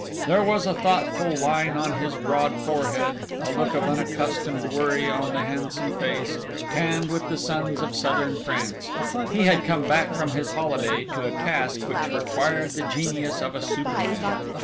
There was a thoughtful line on his broad forehead, a look of unaccustomed worry on the handsome face, tanned with the suns of Southern France. He had come back from his holiday to a task which required the genius of a superman.